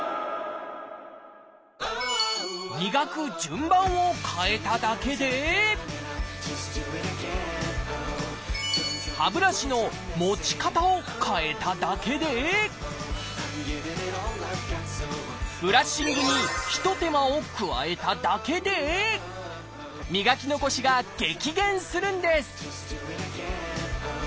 磨く順番を変えただけで歯ブラシの持ち方を変えただけでブラッシングにひと手間を加えただけで磨き残しが激減するんです